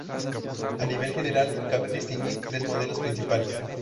A nivel general, cabe distinguir tres modelos principales.